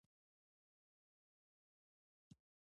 کائنات تل په حرکت او بدلون کې دی